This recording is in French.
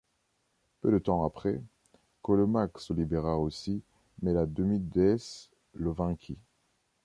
Peu de temps après, Kolomaq se libéra aussi mais la demi-déesse le vainquit.